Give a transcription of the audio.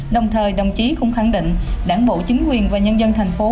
đồng thời đồng chí cũng khẳng định đảng bộ chính quyền và nhân dân thành phố